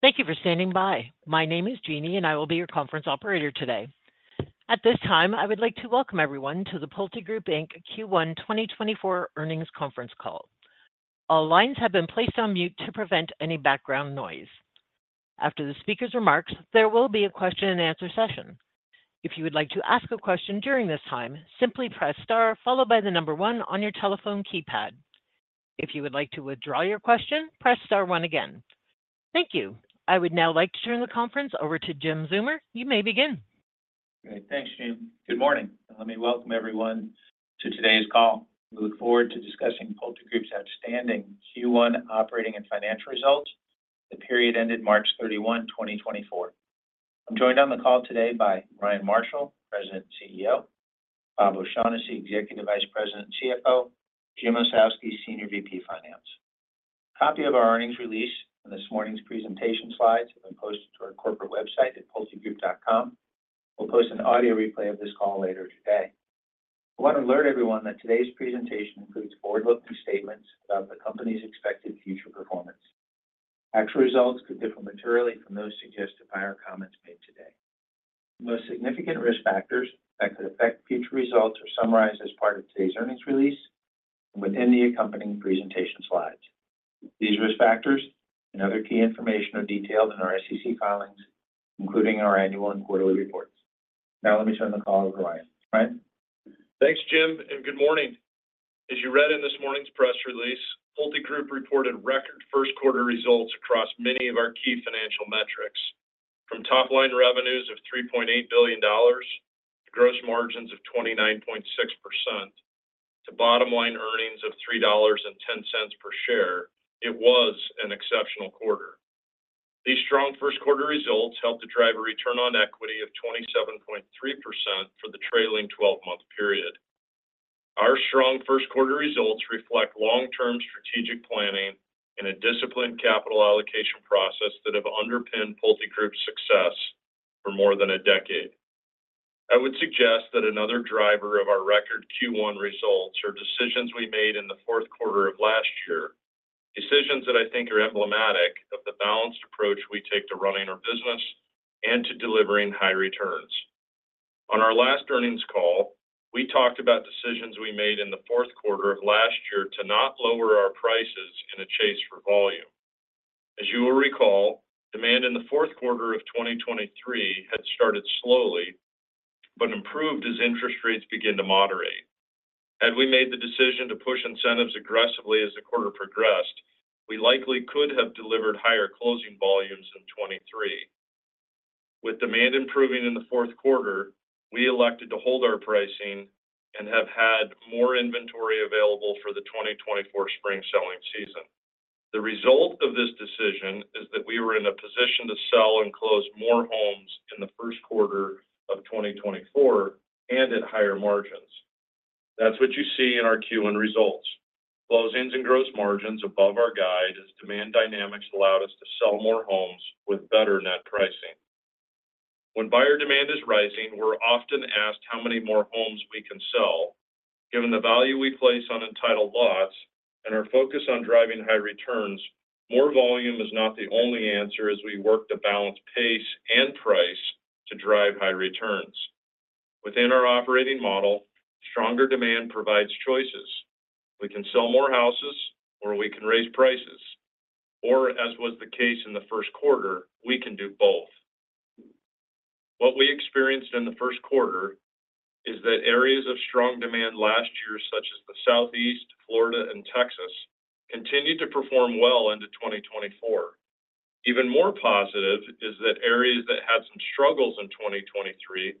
Thank you for standing by. My name is Jeannie, and I will be your conference operator today. At this time, I would like to welcome everyone to the PulteGroup Inc. Q1 2024 earnings conference call. All lines have been placed on mute to prevent any background noise. After the speaker's remarks, there will be a question and answer session. If you would like to ask a question during this time, simply press star followed by the number one on your telephone keypad. If you would like to withdraw your question, press star one again. Thank you. I would now like to turn the conference over to Jim Zeumer. You may begin. Great. Thanks, Jeannie. Good morning. Let me welcome everyone to today's call. We look forward to discussing PulteGroup's outstanding Q1 operating and financial results, the period ended March 31, 2024. I'm joined on the call today by Ryan Marshall, President and CEO; Bob O'Shaughnessy, Executive Vice President and CFO; Jim Ossowski, Senior VP, Finance. A copy of our earnings release and this morning's presentation slides have been posted to our corporate website at pultegroup.com. We'll post an audio replay of this call later today. I want to alert everyone that today's presentation includes forward-looking statements about the company's expected future performance. Actual results could differ materially from those suggested by our comments made today. The most significant risk factors that could affect future results are summarized as part of today's earnings release and within the accompanying presentation slides. These risk factors and other key information are detailed in our SEC filings, including our annual and quarterly reports. Now, let me turn the call over to Ryan. Ryan? Thanks, Jim, and good morning. As you read in this morning's press release, PulteGroup reported record first quarter results across many of our key financial metrics. From top-line revenues of $3.8 billion, to gross margins of 29.6%, to bottom-line earnings of $3.10 per share, it was an exceptional quarter. These strong first quarter results helped to drive a return on equity of 27.3% for the trailing twelve-month period. Our strong first quarter results reflect long-term strategic planning and a disciplined capital allocation process that have underpinned PulteGroup's success for more than a decade. I would suggest that another driver of our record Q1 results are decisions we made in the fourth quarter of last year, decisions that I think are emblematic of the balanced approach we take to running our business and to delivering high returns. On our last earnings call, we talked about decisions we made in the fourth quarter of last year to not lower our prices in a chase for volume. As you will recall, demand in the fourth quarter of 2023 had started slowly, but improved as interest rates began to moderate. Had we made the decision to push incentives aggressively as the quarter progressed, we likely could have delivered higher closing volumes in 2023. With demand improving in the fourth quarter, we elected to hold our pricing and have had more inventory available for the 2024 spring selling season. The result of this decision is that we were in a position to sell and close more homes in the first quarter of 2024 and at higher margins. That's what you see in our Q1 results. Closings and gross margins above our guide as demand dynamics allowed us to sell more homes with better net pricing. When buyer demand is rising, we're often asked how many more homes we can sell. Given the value we place on entitled lots and our focus on driving high returns, more volume is not the only answer as we work to balance pace and price to drive high returns. Within our operating model, stronger demand provides choices. We can sell more houses, or we can raise prices, or, as was the case in the first quarter, we can do both. What we experienced in the first quarter is that areas of strong demand last year, such as the Southeast, Florida, and Texas, continued to perform well into 2024. Even more positive is that areas that had some struggles in 2023,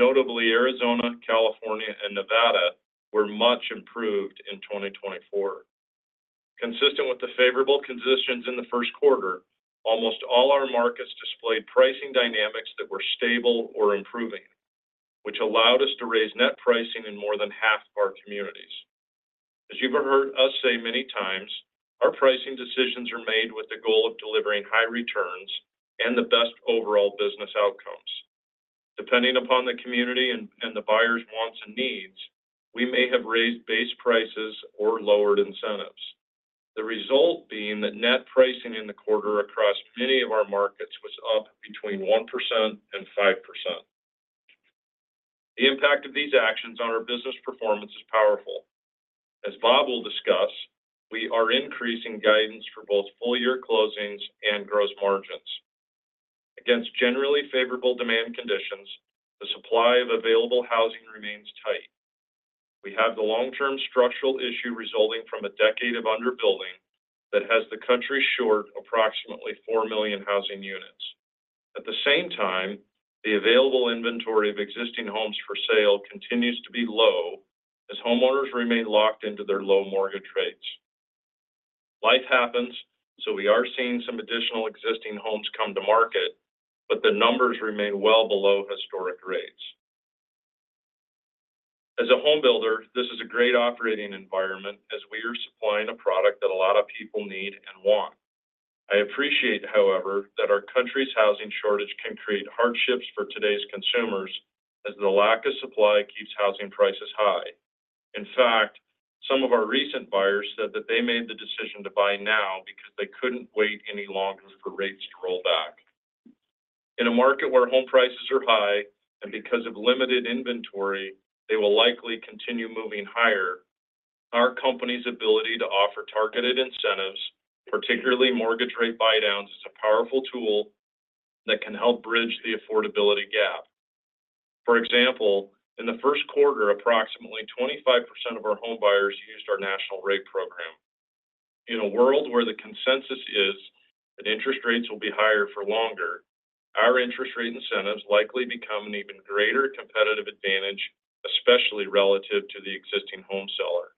notably Arizona, California, and Nevada, were much improved in 2024. Consistent with the favorable conditions in the first quarter, almost all our markets displayed pricing dynamics that were stable or improving, which allowed us to raise net pricing in more than half of our communities. As you've heard us say many times, our pricing decisions are made with the goal of delivering high returns and the best overall business outcomes. Depending upon the community and the buyers' wants and needs, we may have raised base prices or lowered incentives. The result being that net pricing in the quarter across many of our markets was up between 1% and 5%. The impact of these actions on our business performance is powerful. As Bob will discuss, we are increasing guidance for both full-year closings and gross margins. Against generally favorable demand conditions, the supply of available housing remains tight. We have the long-term structural issue resulting from a decade of under-building that has the country short approximately 4 million housing units. At the same time, the available inventory of existing homes for sale continues to be low as homeowners remain locked into their low mortgage rates. Life happens, so we are seeing some additional existing homes come to market, but the numbers remain well below historic rates. As a home builder, this is a great operating environment as we are supplying a product that a lot of people need and want. I appreciate, however, that our country's housing shortage can create hardships for today's consumers as the lack of supply keeps housing prices high. In fact... Some of our recent buyers said that they made the decision to buy now because they couldn't wait any longer for rates to roll back. In a market where home prices are high, and because of limited inventory, they will likely continue moving higher. Our company's ability to offer targeted incentives, particularly mortgage rate buydowns, is a powerful tool that can help bridge the affordability gap. For example, in the first quarter, approximately 25% of our home buyers used our national rate program. In a world where the consensus is that interest rates will be higher for longer, our interest rate incentives likely become an even greater competitive advantage, especially relative to the existing home seller.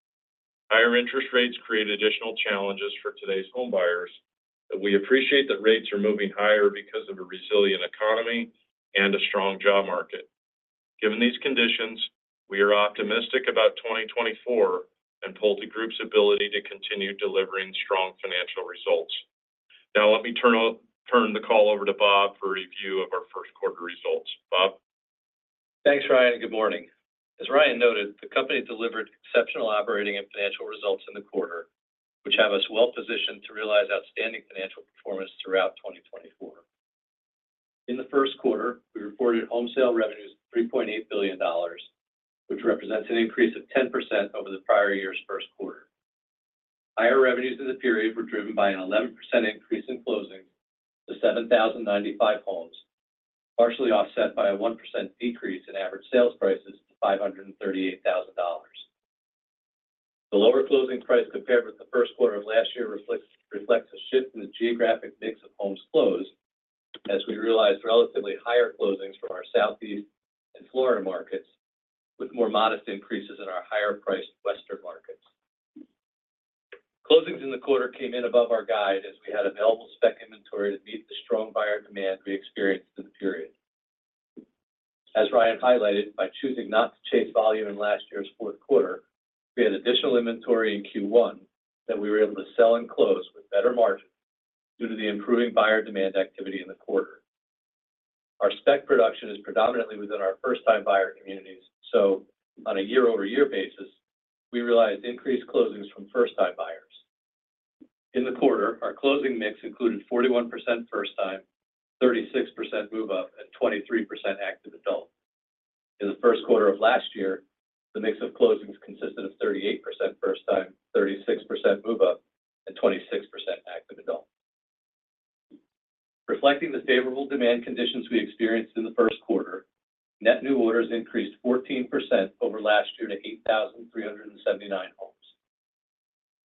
Higher interest rates create additional challenges for today's home buyers, but we appreciate that rates are moving higher because of a resilient economy and a strong job market. Given these conditions, we are optimistic about 2024 and PulteGroup's ability to continue delivering strong financial results. Now, let me turn the call over to Bob for a review of our first quarter results. Bob? Thanks, Ryan, and good morning. As Ryan noted, the company delivered exceptional operating and financial results in the quarter, which have us well positioned to realize outstanding financial performance throughout 2024. In the first quarter, we reported home sale revenues of $3.8 billion, which represents an increase of 10% over the prior year's first quarter. Higher revenues in the period were driven by an 11% increase in closings to 7,095 homes, partially offset by a 1% decrease in average sales prices to $538,000. The lower closing price compared with the first quarter of last year reflects a shift in the geographic mix of homes closed, as we realized relatively higher closings from our Southeast and Florida markets, with more modest increases in our higher-priced Western markets. Closings in the quarter came in above our guide as we had available spec inventory to meet the strong buyer demand we experienced in the period. As Ryan highlighted, by choosing not to chase volume in last year's fourth quarter, we had additional inventory in Q1 that we were able to sell and close with better margins due to the improving buyer demand activity in the quarter. Our spec production is predominantly within our first-time buyer communities, so on a year-over-year basis, we realized increased closings from first-time buyers. In the quarter, our closing mix included 41% first time, 36% move-up, and 23% active adult. In the first quarter of last year, the mix of closings consisted of 38% first time, 36% move-up, and 26% active adult. Reflecting the favorable demand conditions we experienced in the first quarter, net new orders increased 14% over last year to 8,379 homes.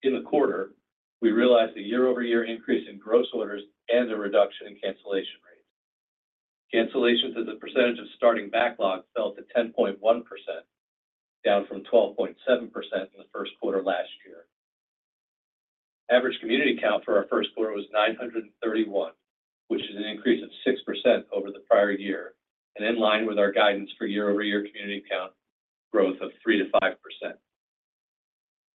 In the quarter, we realized a year-over-year increase in gross orders and a reduction in cancellation rates. Cancellations as a percentage of starting backlog fell to 10.1%, down from 12.7% in the first quarter last year. Average community count for our first quarter was 931, which is an increase of 6% over the prior year and in line with our guidance for year-over-year community count growth of 3%-5%.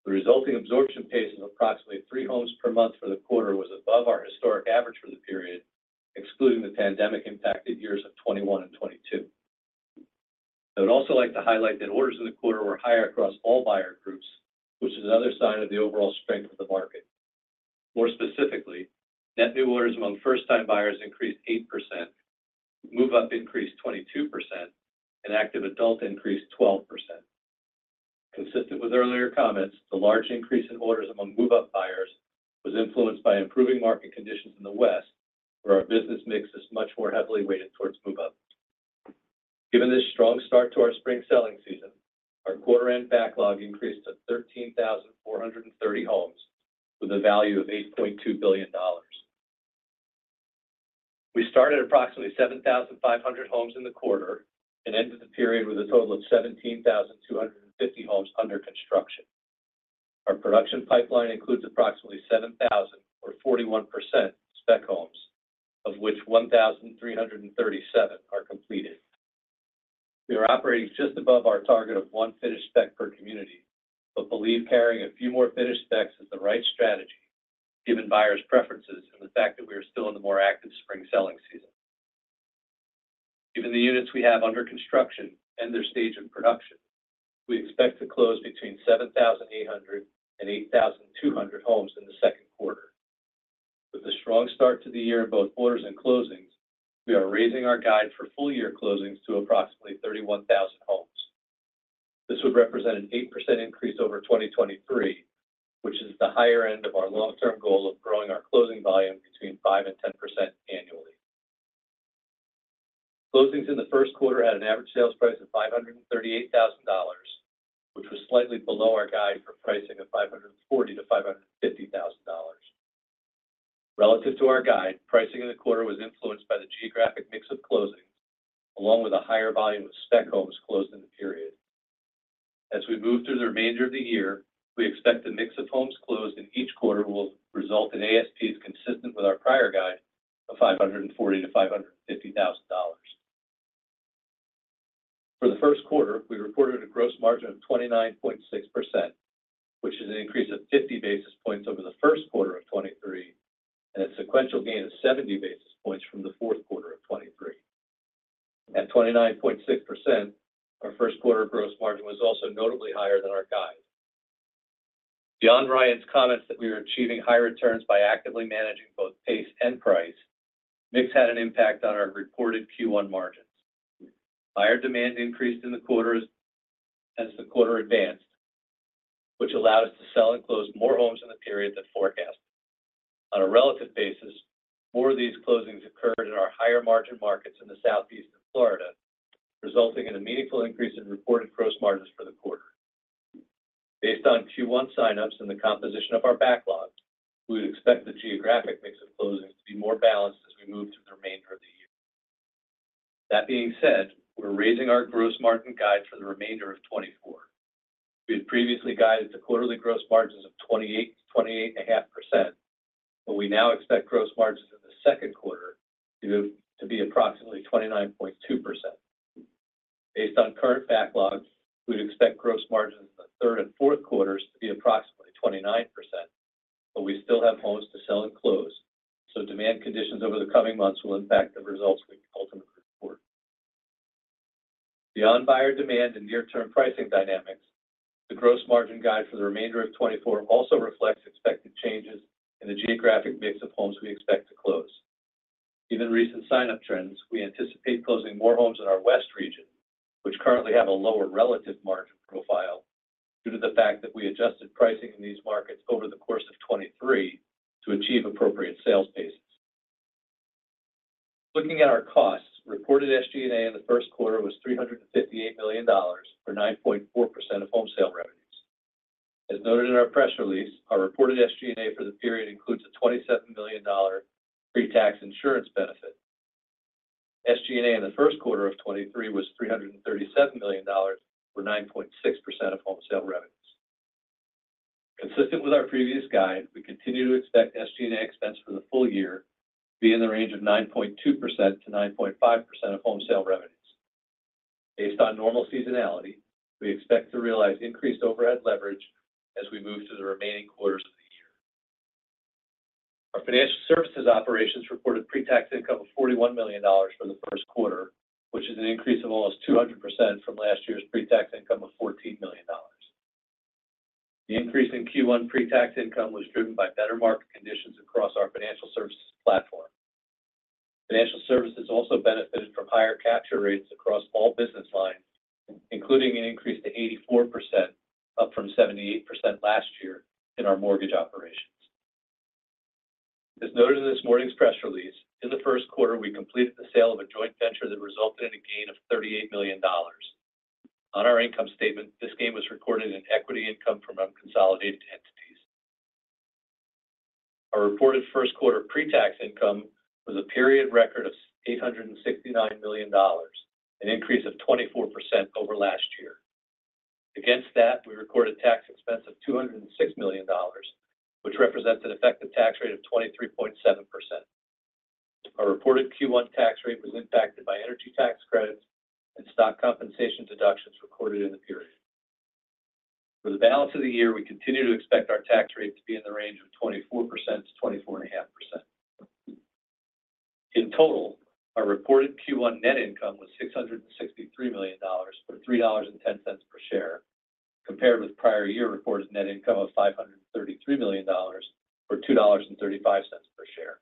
The resulting absorption pace of approximately 3 homes per month for the quarter was above our historic average for the period, excluding the pandemic-impacted years of 2021 and 2022. I would also like to highlight that orders in the quarter were higher across all buyer groups, which is another sign of the overall strength of the market. More specifically, net new orders among first-time buyers increased 8%, move-up increased 22%, and active adult increased 12%. Consistent with earlier comments, the large increase in orders among move-up buyers was influenced by improving market conditions in the West, where our business mix is much more heavily weighted towards move-up. Given this strong start to our spring selling season, our quarter-end backlog increased to 13,430 homes with a value of $8.2 billion. We started approximately 7,500 homes in the quarter and ended the period with a total of 17,250 homes under construction. Our production pipeline includes approximately 7,000, or 41%, spec homes, of which 1,337 are completed. We are operating just above our target of one finished spec per community, but believe carrying a few more finished specs is the right strategy, given buyers' preferences and the fact that we are still in the more active spring selling season. Given the units we have under construction and their stage of production, we expect to close between 7,800 and 8,200 homes in the second quarter. With a strong start to the year in both orders and closings, we are raising our guide for full year closings to approximately 31,000 homes. This would represent an 8% increase over 2023, which is the higher end of our long-term goal of growing our closing volume between 5%-10% annually. Closings in the first quarter had an average sales price of $538,000, which was slightly below our guide for pricing of $540,000-$550,000. Relative to our guide, pricing in the quarter was influenced by the geographic mix of closings, along with a higher volume of spec homes closed in the period. As we move through the remainder of the year, we expect the mix of homes closed in each quarter will result in ASPs consistent with our prior guide of $540,000-$550,000. For the first quarter, we reported a gross margin of 29.6%, which is an increase of 50 basis points over the first quarter of 2023, and a sequential gain of 70 basis points from the fourth quarter of 2023. At 29.6%, our first quarter gross margin was also notably higher than our guide. Beyond Ryan's comments that we are achieving higher returns by actively managing both pace and price, mix had an impact on our reported Q1 margins. Higher demand increased in the quarters as the quarter advanced, which allowed us to sell and close more homes in the period than forecast. On a relative basis, more of these closings occurred in our higher-margin markets in the Southeast and Florida, resulting in a meaningful increase in reported gross margins for the quarter. Based on Q1 sign-ups and the composition of our backlog, we would expect the geographic mix of closings to be more balanced as we move through the remainder of the year. That being said, we're raising our gross margin guide for the remainder of 2024. We had previously guided to quarterly gross margins of 28%-28.5%, but we now expect gross margins in the second quarter to be approximately 29.2%. Based on current backlogs, we'd expect gross margins in the third and fourth quarters to be approximately 29%, but we still have homes to sell and close, so demand conditions over the coming months will impact the results we ultimately report. Beyond buyer demand and near-term pricing dynamics, the gross margin guide for the remainder of 2024 also reflects expected changes in the geographic mix of homes we expect to close. Given recent sign-up trends, we anticipate closing more homes in our West region, which currently have a lower relative margin profile, due to the fact that we adjusted pricing in these markets over the course of 2023 to achieve appropriate sales paces. Looking at our costs, reported SG&A in the first quarter was $358 million, or 9.4% of home sale revenues. As noted in our press release, our reported SG&A for the period includes a $27 million pre-tax insurance benefit. SG&A in the first quarter of 2023 was $337 million, or 9.6% of home sale revenues. Consistent with our previous guide, we continue to expect SG&A expense for the full year to be in the range of 9.2%-9.5% of home sale revenues. Based on normal seasonality, we expect to realize increased overhead leverage as we move to the remaining quarters of the year. Our financial services operations reported pre-tax income of $41 million for the first quarter, which is an increase of almost 200% from last year's pre-tax income of $14 million. The increase in Q1 pre-tax income was driven by better market conditions across our financial services platform. Financial services also benefited from higher capture rates across all business lines, including an increase to 84%, up from 78% last year in our mortgage operations. As noted in this morning's press release, in the first quarter, we completed the sale of a joint venture that resulted in a gain of $38 million. On our income statement, this gain was recorded in equity income from unconsolidated entities. Our reported first quarter pre-tax income was a period record of $869 million, an increase of 24% over last year. Against that, we recorded tax expense of $206 million, which represents an effective tax rate of 23.7%. Our reported Q1 tax rate was impacted by energy tax credits and stock compensation deductions recorded in the period. For the balance of the year, we continue to expect our tax rate to be in the range of 24%-24.5%. In total, our reported Q1 net income was $663 million, or $3.10 per share, compared with prior year reported net income of $533 million, or $2.35 per share.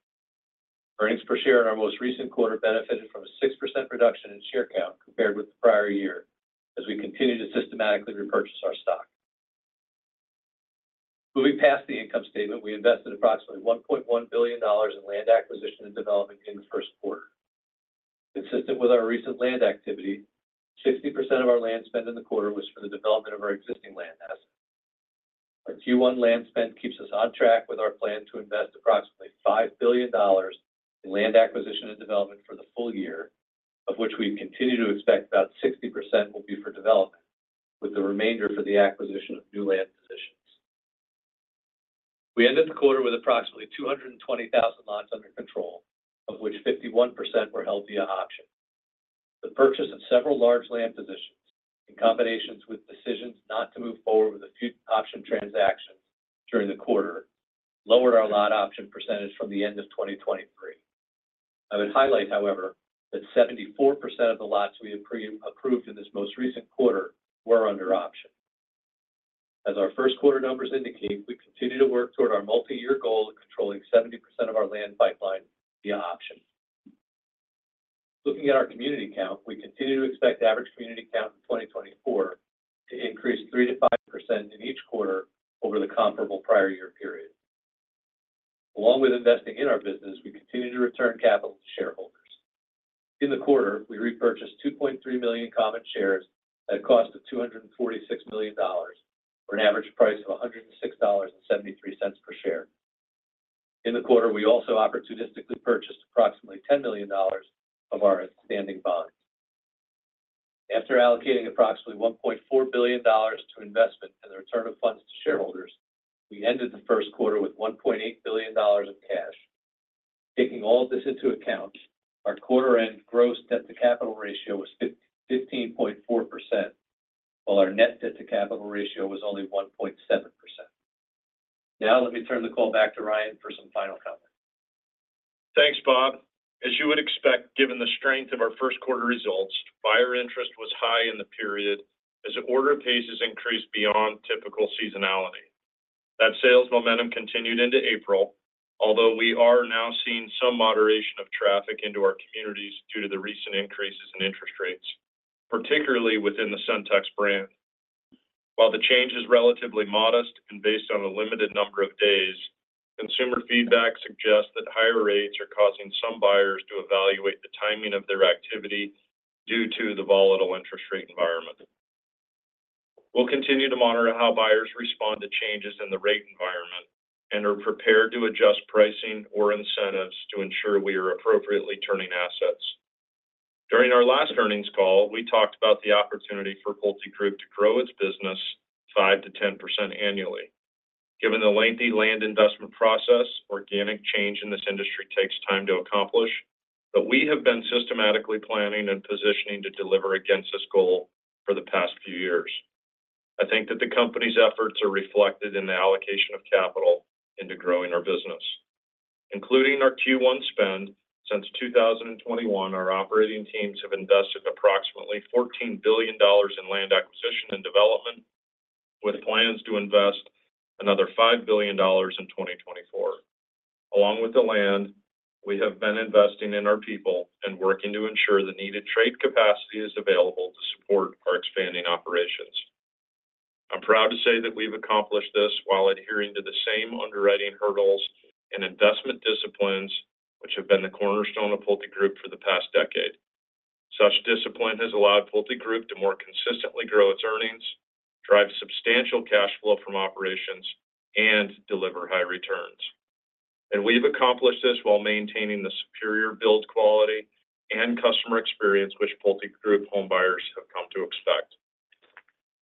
Earnings per share in our most recent quarter benefited from a 6% reduction in share count compared with the prior year, as we continue to systematically repurchase our stock. Moving past the income statement, we invested approximately $1.1 billion in land acquisition and development in the first quarter. Consistent with our recent land activity, 60% of our land spend in the quarter was for the development of our existing land assets. Our Q1 land spend keeps us on track with our plan to invest approximately $5 billion in land acquisition and development for the full year, of which we continue to expect about 60% will be for development, with the remainder for the acquisition of new land positions. We ended the quarter with approximately 220,000 lots under control, of which 51% were held via option. The purchase of several large land positions, in combination with decisions not to move forward with a few option transactions during the quarter, lowered our lot option percentage from the end of 2023. I would highlight, however, that 74% of the lots we approved, approved in this most recent quarter were under option. As our first quarter numbers indicate, we continue to work toward our multi-year goal of controlling 70% of our land pipeline via option. Looking at our community count, we continue to expect average community count in 2024 to increase 3%-5% in each quarter over the comparable prior year period. Along with investing in our business, we continue to return capital to shareholders. In the quarter, we repurchased 2.3 million common shares at a cost of $246 million, for an average price of $106.73 per share. In the quarter, we also opportunistically purchased approximately $10 million of our outstanding bonds. After allocating approximately $1.4 billion to investment and the return of funds to shareholders, we ended the first quarter with $1.8 billion in cash. Taking all of this into account, our quarter-end gross debt to capital ratio was 15.4%, while our net debt to capital ratio was only 1.7%.... Now let me turn the call back to Ryan for some final comments. Thanks, Bob. As you would expect, given the strength of our first quarter results, buyer interest was high in the period as order paces increased beyond typical seasonality. That sales momentum continued into April, although we are now seeing some moderation of traffic into our communities due to the recent increases in interest rates, particularly within the Centex brand. While the change is relatively modest and based on a limited number of days, consumer feedback suggests that higher rates are causing some buyers to evaluate the timing of their activity due to the volatile interest rate environment. We'll continue to monitor how buyers respond to changes in the rate environment and are prepared to adjust pricing or incentives to ensure we are appropriately turning assets. During our last earnings call, we talked about the opportunity for PulteGroup to grow its business 5%-10% annually. Given the lengthy land investment process, organic change in this industry takes time to accomplish, but we have been systematically planning and positioning to deliver against this goal for the past few years. I think that the company's efforts are reflected in the allocation of capital into growing our business. Including our Q1 spend, since 2021, our operating teams have invested approximately $14 billion in land acquisition and development, with plans to invest another $5 billion in 2024. Along with the land, we have been investing in our people and working to ensure the needed trade capacity is available to support our expanding operations. I'm proud to say that we've accomplished this while adhering to the same underwriting hurdles and investment disciplines, which have been the cornerstone of PulteGroup for the past decade. Such discipline has allowed PulteGroup to more consistently grow its earnings, drive substantial cash flow from operations, and deliver high returns. And we've accomplished this while maintaining the superior build quality, and customer experience which PulteGroup home buyers have come to expect.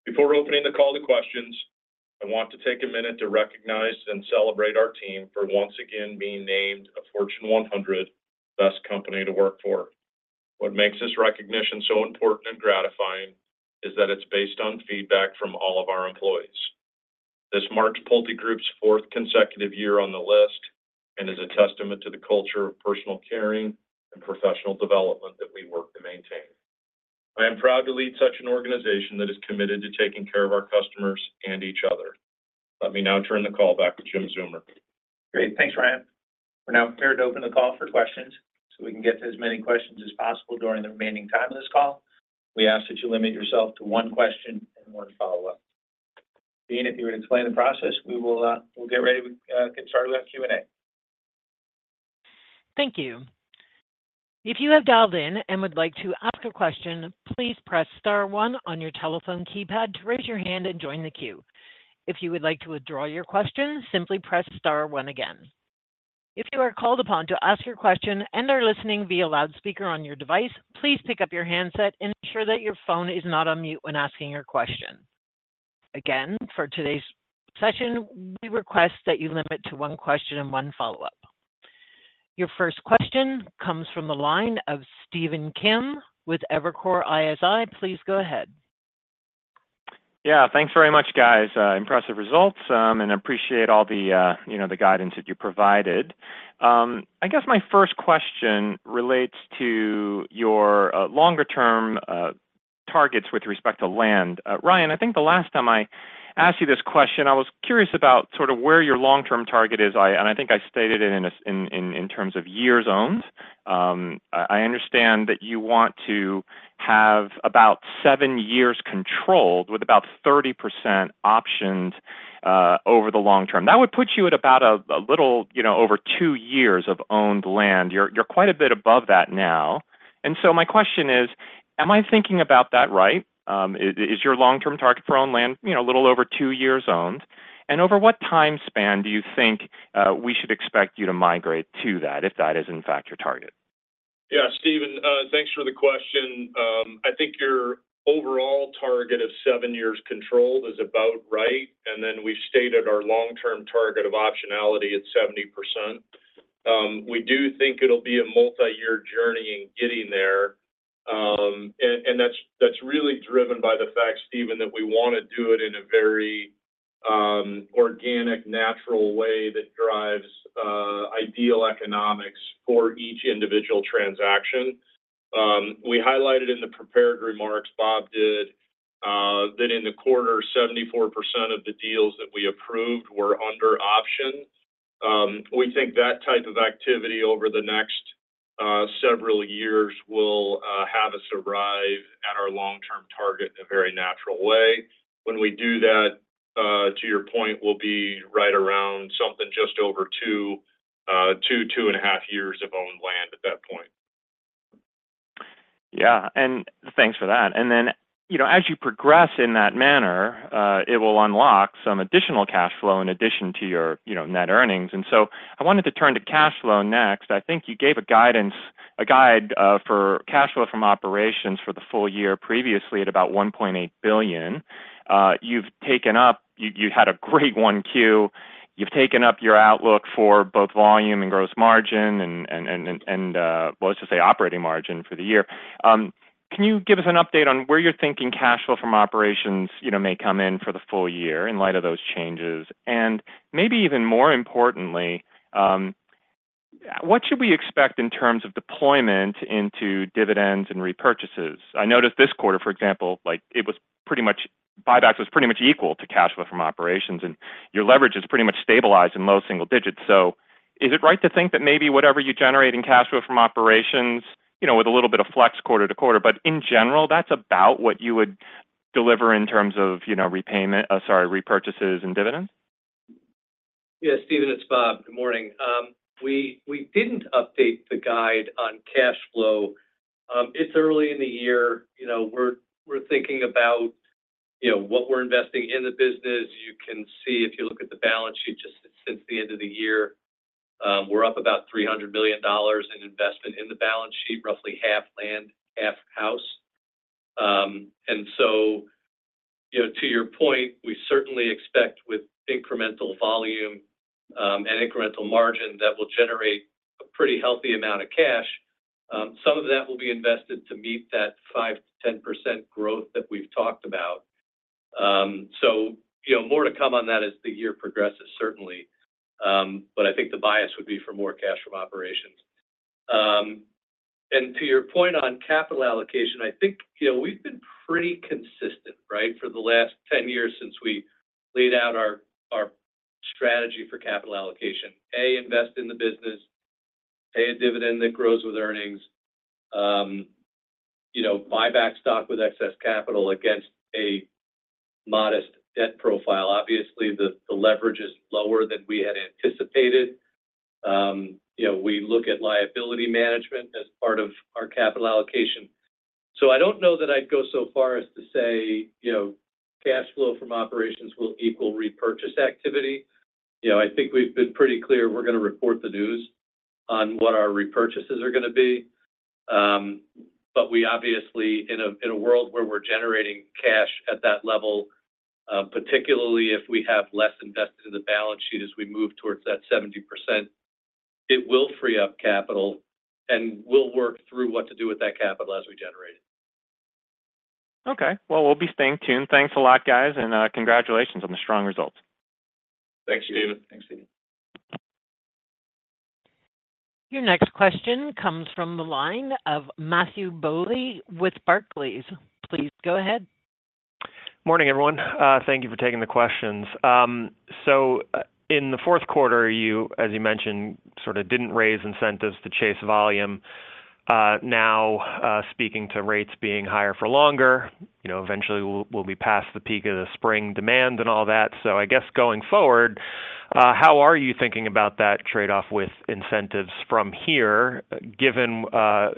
Before opening the call to questions, I want to take a minute to recognize and celebrate our team for once again being named a Fortune 100 Best Company to Work For. What makes this recognition so important and gratifying is that it's based on feedback from all of our employees. This marks PulteGroup's fourth consecutive year on the list and is a testament to the culture of personal caring and professional development that we work to maintain. I am proud to lead such an organization that is committed to taking care of our customers and each other. Let me now turn the call back to Jim Zeumer. Great. Thanks, Ryan. We're now prepared to open the call for questions. So we can get to as many questions as possible during the remaining time of this call, we ask that you limit yourself to one question and one follow-up. Jeannie, if you would explain the process, we will. We'll get ready, get started on Q&A. Thank you. If you have dialed in and would like to ask a question, please press star one on your telephone keypad to raise your hand and join the queue. If you would like to withdraw your question, simply press star one again. If you are called upon to ask your question and are listening via loudspeaker on your device, please pick up your handset and ensure that your phone is not on mute when asking your question. Again, for today's session, we request that you limit to one question and one follow-up. Your first question comes from the line of Stephen Kim with Evercore ISI. Please go ahead. Yeah, thanks very much, guys. Impressive results, and appreciate all the, you know, the guidance that you provided. I guess my first question relates to your, longer-term, targets with respect to land. Ryan, I think the last time I asked you this question, I was curious about sort of where your long-term target is. And I think I stated it in terms of years owned. I understand that you want to have about 7 years controlled, with about 30% options, over the long term. That would put you at about a little, you know, over 2 years of owned land. You're quite a bit above that now. And so my question is, am I thinking about that right? Is your long-term target for owned land, you know, a little over two years owned? Over what time span do you think we should expect you to migrate to that, if that is, in fact, your target? Yeah, Stephen, thanks for the question. I think your overall target of 7 years controlled is about right, and then we've stated our long-term target of optionality at 70%. We do think it'll be a multiyear journey in getting there. And, and that's, that's really driven by the fact, Stephen, that we wanna do it in a very, organic, natural way that drives, ideal economics for each individual transaction. We highlighted in the prepared remarks, Bob did, that in the quarter, 74% of the deals that we approved were under option. We think that type of activity over the next, several years will, have us arrive at our long-term target in a very natural way. When we do that, to your point, we'll be right around something just over 2.5 years of owned land at that point. Yeah, and thanks for that. And then, you know, as you progress in that manner, it will unlock some additional cash flow in addition to your, you know, net earnings. And so I wanted to turn to cash flow next. I think you gave a guidance, a guide, for cash flow from operations for the full year previously at about $1.8 billion. You've taken up—you had a great 1Q. You've taken up your outlook for both volume and gross margin and, well, let's just say operating margin for the year. Can you give us an update on where you're thinking cash flow from operations, you know, may come in for the full year in light of those changes? Maybe even more importantly, what should we expect in terms of deployment into dividends and repurchases? I noticed this quarter, for example, like, it was pretty much—buyback was pretty much equal to cash flow from operations, and your leverage is pretty much stabilized in low single digits. So is it right to think that maybe whatever you generate in cash flow from operations, you know, with a little bit of flex quarter to quarter, but in general, that's about what you would deliver in terms of, you know, repurchases and dividends? Yeah, Stephen, it's Bob. Good morning. We didn't update the guide on cash flow. It's early in the year. You know, we're thinking about, you know, what we're investing in the business. You can see, if you look at the balance sheet, just since the end of the year, we're up about $300 million in investment in the balance sheet, roughly half land, half house. And so, you know, to your point, we certainly expect with incremental volume and incremental margin, that will generate a pretty healthy amount of cash. Some of that will be invested to meet that 5%-10% growth that we've talked about. So, you know, more to come on that as the year progresses, certainly. But I think the bias would be for more cash from operations. And to your point on capital allocation, I think, you know, we've been pretty consistent, right, for the last 10 years since we laid out our strategy for capital allocation. A, invest in the business, pay a dividend that grows with earnings, you know, buy back stock with excess capital against a modest debt profile. Obviously, the leverage is lower than we had anticipated. You know, we look at liability management as part of our capital allocation. So I don't know that I'd go so far as to say, you know, cash flow from operations will equal repurchase activity. You know, I think we've been pretty clear we're gonna report the news on what our repurchases are gonna be. But we obviously, in a world where we're generating cash at that level, particularly if we have less invested in the balance sheet as we move towards that 70%, it will free up capital, and we'll work through what to do with that capital as we generate it. Okay. Well, we'll be staying tuned. Thanks a lot, guys, and congratulations on the strong results. Thanks, Stephen. Thanks, Stephen. Your next question comes from the line of Matthew Bouley with Barclays. Please go ahead. Morning, everyone. Thank you for taking the questions. In the fourth quarter, you, as you mentioned, sort of didn't raise incentives to chase volume. Speaking to rates being higher for longer, you know, eventually we'll be past the peak of the spring demand and all that. So I guess going forward, how are you thinking about that trade-off with incentives from here, given,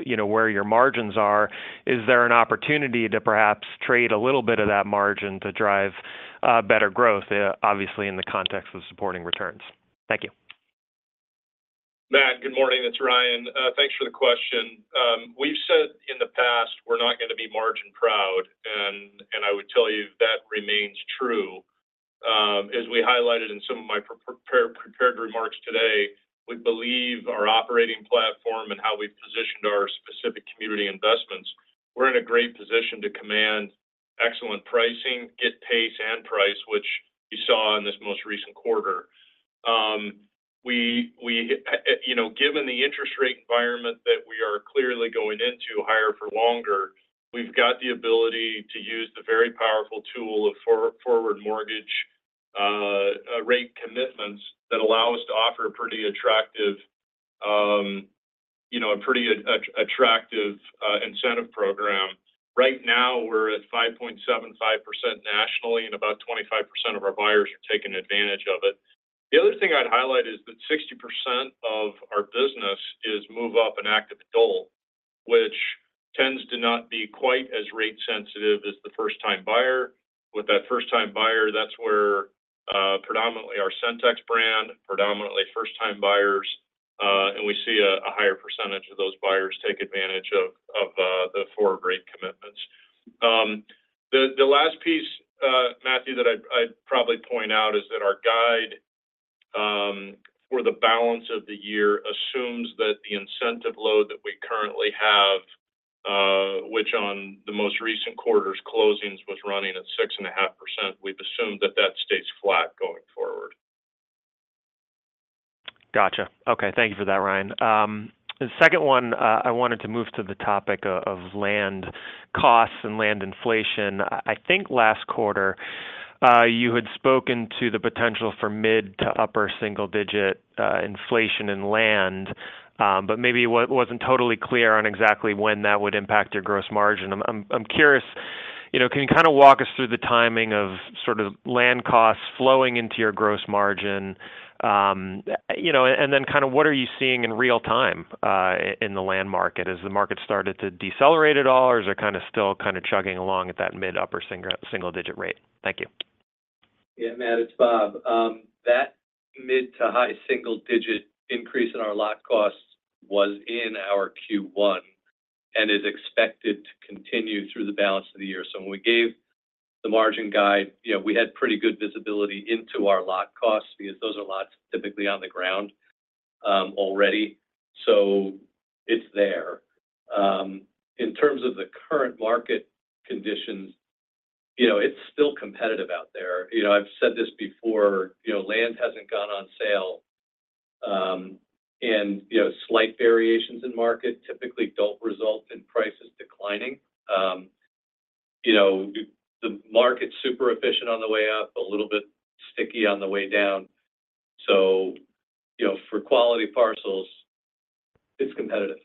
you know, where your margins are? Is there an opportunity to perhaps trade a little bit of that margin to drive better growth, obviously, in the context of supporting returns? Thank you. Matt, good morning. It's Ryan. Thanks for the question. We've said in the past, we're not gonna be margin-proud, and, and I would tell you that remains true. As we highlighted in some of my prepared remarks today, we believe our operating platform and how we've positioned our specific community investments, we're in a great position to command excellent pricing, get pace and price, which you saw in this most recent quarter. You know, given the interest rate environment that we are clearly going into higher for longer, we've got the ability to use the very powerful tool of forward mortgage rate commitments that allow us to offer a pretty attractive, you know, a pretty attractive incentive program. Right now, we're at 5.75% nationally, and about 25% of our buyers are taking advantage of it. The other thing I'd highlight is that 60% of our business is move up and active adult, which tends to not be quite as rate sensitive as the first-time buyer. With that first-time buyer, that's where, predominantly our Centex brand, predominantly first-time buyers, and we see a higher percentage of those buyers take advantage of, of, the forward rate commitments. The last piece, Matthew, that I'd probably point out is that our guide, for the balance of the year assumes that the incentive load that we currently have, which on the most recent quarter's closings, was running at 6.5%, we've assumed that that stays flat going forward. Gotcha. Okay, thank you for that, Ryan. The second one, I wanted to move to the topic of land costs and land inflation. I think last quarter, you had spoken to the potential for mid- to upper single-digit inflation in land, but maybe wasn't totally clear on exactly when that would impact your gross margin. I'm curious, you know, can you kind of walk us through the timing of sort of land costs flowing into your gross margin? You know, and then kind of what are you seeing in real time in the land market? Has the market started to decelerate at all, or is it kind of still kind of chugging along at that mid- to upper single-digit rate? Thank you. Yeah, Matt, it's Bob. That mid- to high-single-digit increase in our lot costs was in our Q1 and is expected to continue through the balance of the year. So when we gave-... the margin guide, you know, we had pretty good visibility into our lot costs because those are lots typically on the ground, already. So it's there. In terms of the current market conditions, you know, it's still competitive out there. You know, I've said this before, you know, land hasn't gone on sale, and, you know, slight variations in market typically don't result in prices declining. You know, the, the market's super efficient on the way up, a little bit sticky on the way down. So, you know, for quality parcels, it's competitive.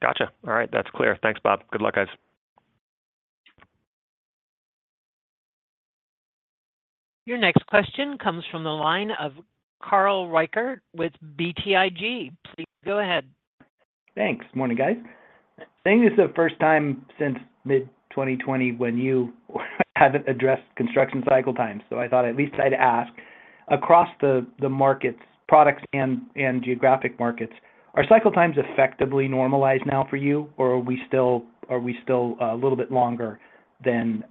Gotcha. All right, that's clear. Thanks, Bob. Good luck, guys. Your next question comes from the line of Carl Reichardt with BTIG. Please, go ahead. Thanks. Morning, guys. I think it's the first time since mid-2020 when you haven't addressed construction cycle times, so I thought at least I'd ask. Across the markets, products and geographic markets, are cycle times effectively normalized now for you, or are we still a little bit longer than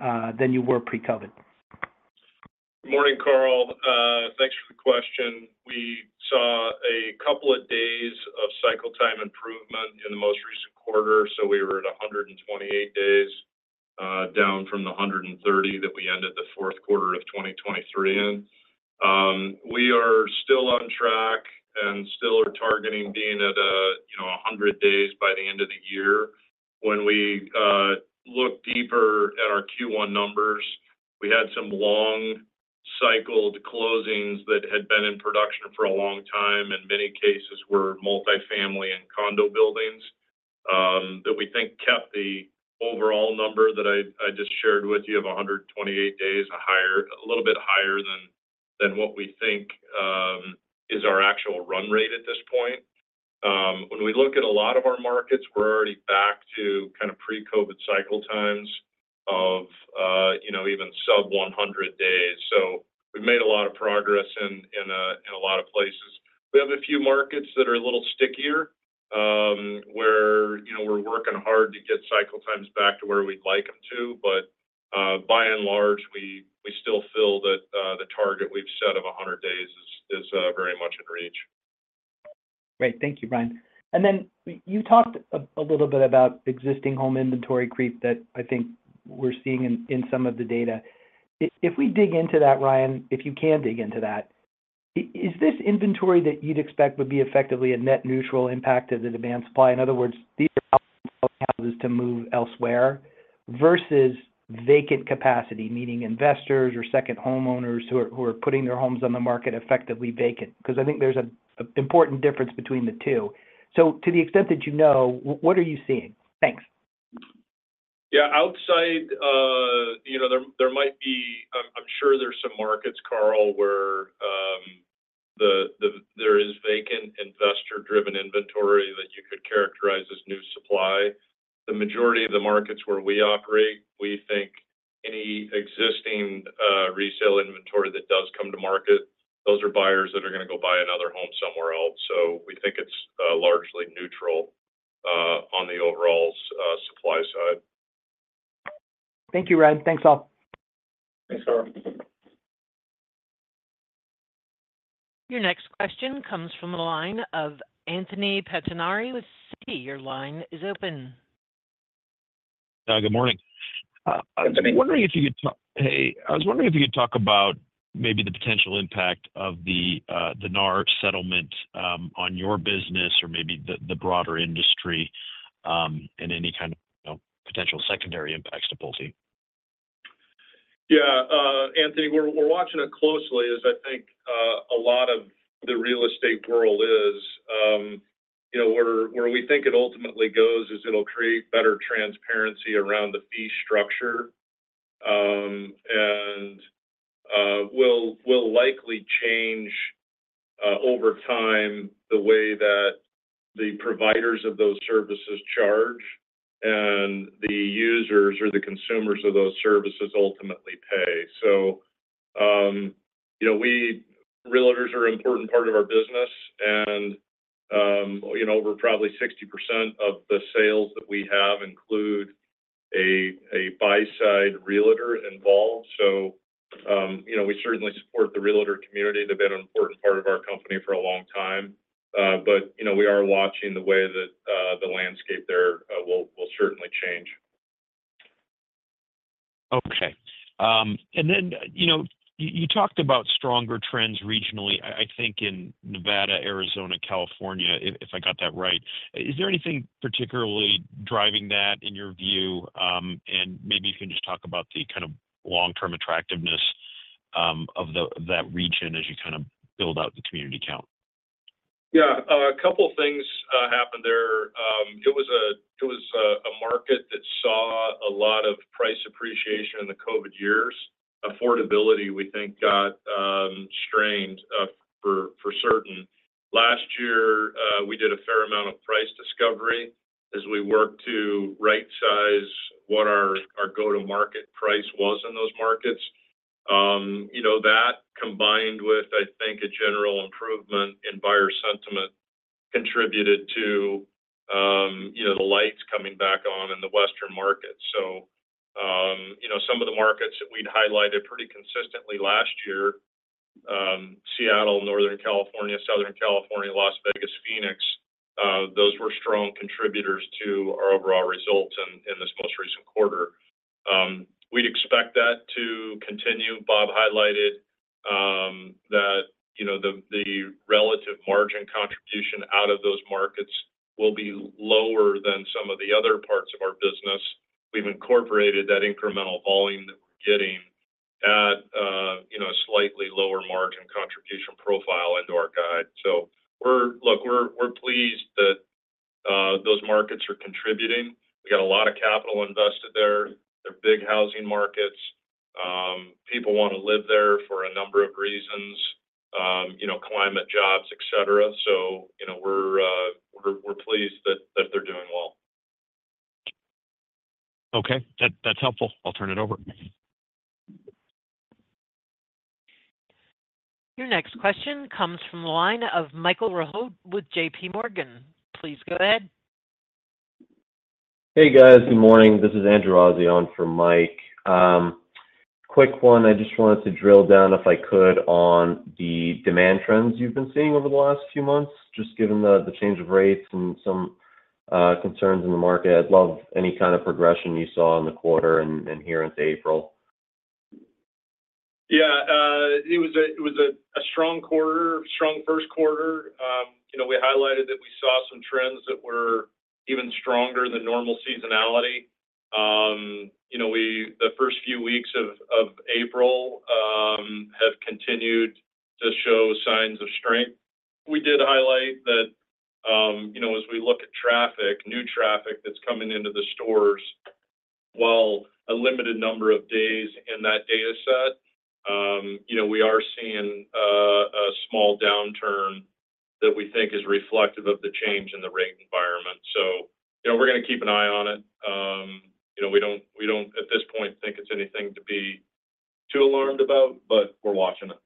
you were pre-COVID? Morning, Carl. Thanks for the question. We saw a couple of days of cycle time improvement in the most recent quarter, so we were at 128 days, down from the 130 that we ended the fourth quarter of 2023 in. We are still on track and still are targeting being at a, you know, 100 days by the end of the year. When we look deeper at our Q1 numbers, we had some long cycled closings that had been in production for a long time, in many cases were multifamily and condo buildings, that we think kept the overall number that I just shared with you of 128 days a little bit higher than what we think is our actual run rate at this point. When we look at a lot of our markets, we're already back to kind of pre-COVID cycle times of, you know, even sub 100 days. So we've made a lot of progress in a lot of places. We have a few markets that are a little stickier, where, you know, we're working hard to get cycle times back to where we'd like them to, but by and large, we still feel that the target we've set of 100 days is very much in reach. Great. Thank you, Ryan. And then you talked a little bit about existing home inventory creep that I think we're seeing in some of the data. If we dig into that, Ryan, if you can dig into that, is this inventory that you'd expect would be effectively a net neutral impact on the demand supply? In other words, these are houses to move elsewhere versus vacant capacity, meaning investors or second homeowners who are putting their homes on the market effectively vacant. Because I think there's an important difference between the two. So to the extent that you know, what are you seeing? Thanks. Yeah, outside, you know, there might be... I'm sure there's some markets, Carl, where there is vacant investor-driven inventory that you could characterize as new supply. The majority of the markets where we operate, we think any existing resale inventory that does come to market, those are buyers that are going to go buy another home somewhere else. So we think it's largely neutral on the overall supply side. Thank you, Ryan. Thanks a lot. Thanks, Carl. Your next question comes from the line of Anthony Pettinari with Citi. Your line is open. Good morning. I was wondering if you could talk about maybe the potential impact of the NAR settlement on your business or maybe the broader industry, and any kind of, you know, potential secondary impacts to Pulte. Yeah, Anthony, we're watching it closely, as I think a lot of the real estate world is. You know, where we think it ultimately goes is it'll create better transparency around the fee structure, and will likely change over time the way that the providers of those services charge, and the users or the consumers of those services ultimately pay. So, you know, Realtors are an important part of our business, and you know, over probably 60% of the sales that we have include a buy-side Realtor involved. So, you know, we certainly support the Realtor community. They've been an important part of our company for a long time. But, you know, we are watching the way that the landscape there will certainly change. Okay. And then, you know, you talked about stronger trends regionally, I think in Nevada, Arizona, California, if I got that right. Is there anything particularly driving that in your view? And maybe you can just talk about the kind of long-term attractiveness of that region as you kind of build out the community count. Yeah. A couple of things happened there. It was a market that saw a lot of price appreciation in the COVID years. Affordability, we think, got strained for certain. Last year, we did a fair amount of price discovery as we worked to rightsize what our go-to-market price was in those markets. You know, that combined with, I think, a general improvement in buyer sentiment contributed to the lights coming back on in the Western market. So, you know, some of the markets that we'd highlighted pretty consistently last year, Seattle, Northern California, Southern California, Las Vegas, Phoenix, those were strong contributors to our overall results in this most recent quarter. We'd expect that to continue. Bob highlighted that, you know, the relative margin contribution out of those markets will be lower than some of the other parts of our business. We've incorporated that incremental volume that we're getting at, you know, a slightly lower margin contribution profile into our guide. So we're pleased that those markets are contributing. We got a lot of capital invested there. They're big housing markets. People wanna live there for a number of reasons, you know, climate, jobs, et cetera. So, you know, we're pleased that they're doing well. Okay. That, that's helpful. I'll turn it over. Your next question comes from the line of Michael Rehaut with J.P. Morgan. Please go ahead. Hey, guys. Good morning. This is Andrew Azzi on for Mike. Quick one, I just wanted to drill down, if I could, on the demand trends you've been seeing over the last few months, just given the change of rates and some concerns in the market. I'd love any kind of progression you saw in the quarter and here into April. Yeah, it was a strong quarter, strong first quarter. You know, we highlighted that we saw some trends that were even stronger than normal seasonality. You know, the first few weeks of April have continued to show signs of strength. We did highlight that, you know, as we look at traffic, new traffic that's coming into the stores, while a limited number of days in that data set, you know, we are seeing a small downturn that we think is reflective of the change in the rate environment. So, you know, we're gonna keep an eye on it. You know, we don't, at this point, think it's anything to be too alarmed about, but we're watching it.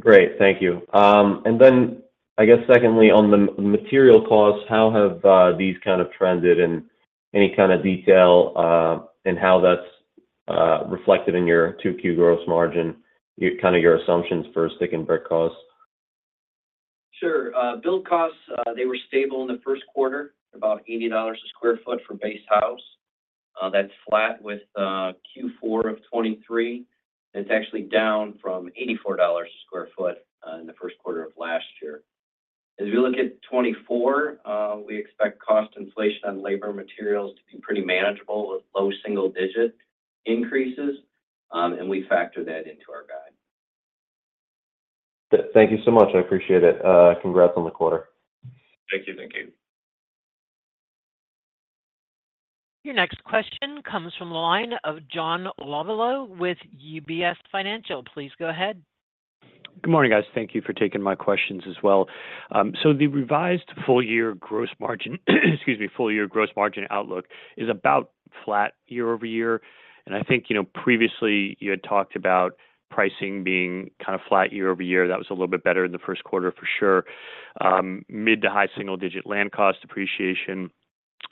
Great, thank you. And then, I guess secondly, on the material costs, how have these kind of trended, and any kind of detail, and how that's reflected in your two key Gross Margin, kind of your assumptions for stick and brick costs? Sure. Build costs, they were stable in the first quarter, about $80 a sq ft for base house. That's flat with Q4 of 2023. It's actually down from $84 a sq ft in the first quarter of last year. As we look at 2024, we expect cost inflation on labor materials to be pretty manageable, with low single-digit increases, and we factor that into our guide. Thank you so much. I appreciate it. Congrats on the quarter. Thank you. Thank you. Your next question comes from the line of John Lovallo with UBS. Please go ahead. Good morning, guys. Thank you for taking my questions as well. So the revised full year gross margin, excuse me, full year gross margin outlook is about flat year-over-year. And I think, you know, previously you had talked about pricing being kind of flat year-over-year. That was a little bit better in the first quarter, for sure. Mid to high single digit land cost appreciation,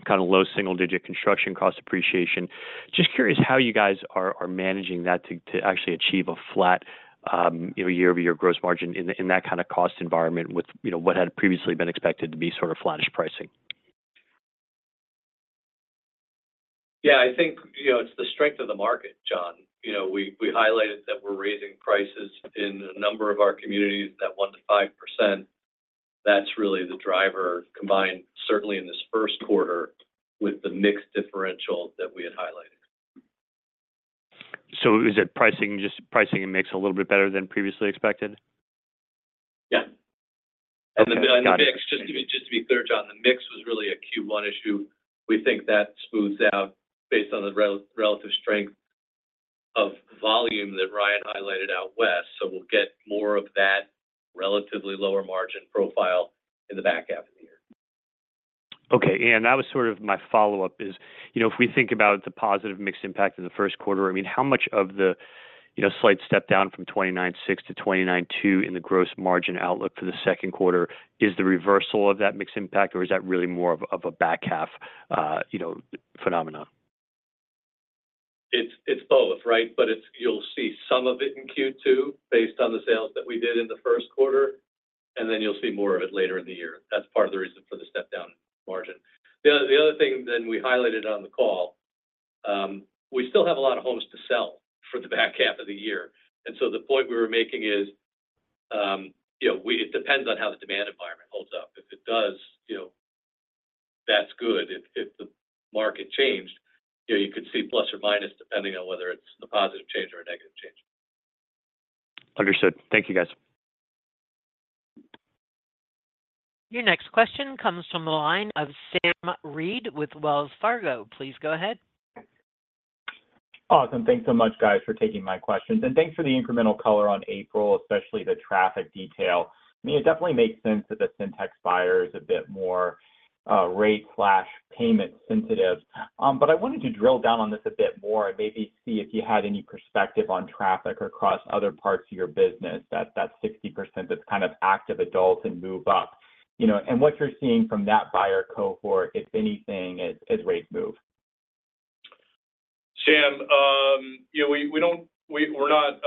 kind of low single digit construction cost appreciation. Just curious how you guys are managing that to actually achieve a flat, you know, year-over-year gross margin in that kind of cost environment with, you know, what had previously been expected to be sort of flattish pricing? Yeah, I think, you know, it's the strength of the market, John. You know, we highlighted that we're raising prices in a number of our communities, that 1%-5%. That's really the driver, combined, certainly in this first quarter, with the mix differential that we had highlighted. Is it pricing, just pricing and mix a little bit better than previously expected? Yeah. Okay. Got it. And the mix, just to be clear, John, the mix was really a Q1 issue. We think that smooths out based on the relative strength of volume that Ryan highlighted out west, so we'll get more of that relatively lower margin profile in the back half of the year. Okay, and that was sort of my follow-up is, you know, if we think about the positive mix impact in the first quarter, I mean, how much of the, you know, slight step down from 29.6% to 29.2% in the gross margin outlook for the second quarter is the reversal of that mix impact, or is that really more of, of a back half, you know, phenomena? It's both, right? But it's—you'll see some of it in Q2, based on the sales that we did in the first quarter, and then you'll see more of it later in the year. That's part of the reason for the step down margin. The other, the other thing then we highlighted on the call, we still have a lot of homes to sell for the back half of the year. And so the point we were making is, you know, we... It depends on how the demand environment holds up. If it does, you know, that's good. If the market changed, you know, you could see plus or minus, depending on whether it's the positive change or a negative change. Understood. Thank you, guys. Your next question comes from the line of Sam Reid with Wells Fargo. Please go ahead.... Awesome. Thanks so much, guys, for taking my questions, and thanks for the incremental color on April, especially the traffic detail. I mean, it definitely makes sense that the Centex buyer is a bit more, rate/payment sensitive. But I wanted to drill down on this a bit more and maybe see if you had any perspective on traffic across other parts of your business, that, that 60% that's kind of active adults and move up. You know, and what you're seeing from that buyer cohort, if anything, as rates move? Sam, you know, we don't - we're not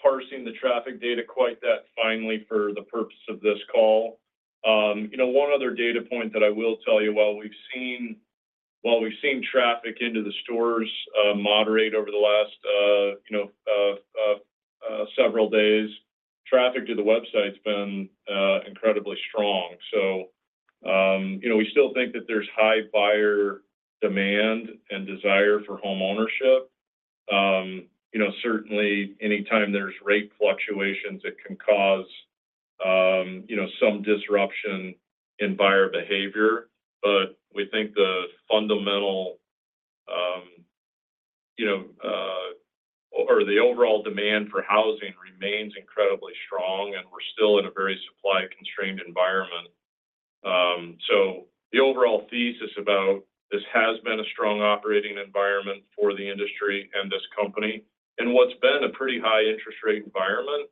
parsing the traffic data quite that finely for the purpose of this call. You know, one other data point that I will tell you, while we've seen traffic into the stores moderate over the last several days, traffic to the website's been incredibly strong. So, you know, we still think that there's high buyer demand and desire for homeownership. You know, certainly anytime there's rate fluctuations, it can cause you know, some disruption in buyer behavior. But we think the fundamental or the overall demand for housing remains incredibly strong, and we're still in a very supply-constrained environment. So the overall thesis about this has been a strong operating environment for the industry and this company. What's been a pretty high interest rate environment,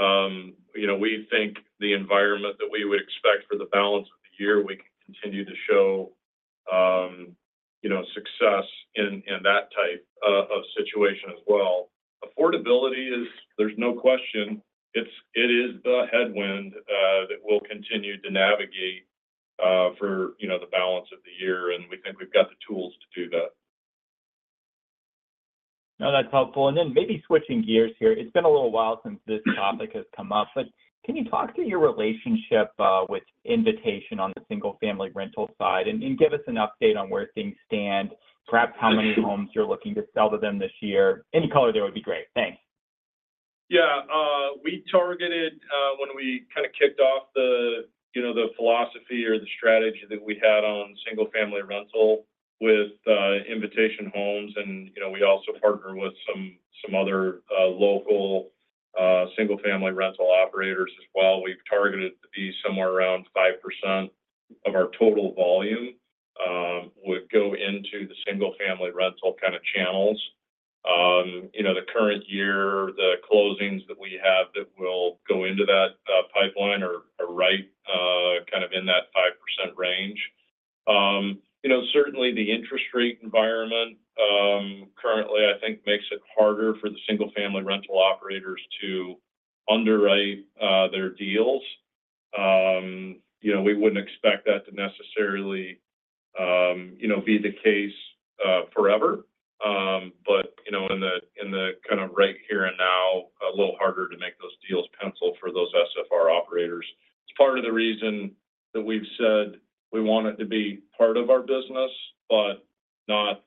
you know, we think the environment that we would expect for the balance of the year, we can continue to show, you know, success in, in that type of situation as well. Affordability is... There's no question, it's, it is the headwind that we'll continue to navigate for, you know, the balance of the year, and we think we've got the tools to do that. No, that's helpful. Then maybe switching gears here. It's been a little while since this topic has come up, but can you talk to your relationship with Invitation on the single-family rental side? And give us an update on where things stand, perhaps how many homes you're looking to sell to them this year. Any color there would be great. Thanks. Yeah, we targeted, when we kind of kicked off the, you know, the philosophy or the strategy that we had on single-family rental with Invitation Homes, and, you know, we also partner with some other local single-family rental operators as well. We've targeted it to be somewhere around 5% of our total volume would go into the single-family rental kind of channels. You know, the current year, the closings that we have that will go into that pipeline are right kind of in that 5% range. You know, certainly the interest rate environment currently, I think makes it harder for the single-family rental operators to underwrite their deals. You know, we wouldn't expect that to necessarily, you know, be the case forever. But, you know, in the kind of right here and now, a little harder to make those deals pencil for those SFR operators. It's part of the reason that we've said we want it to be part of our business, but not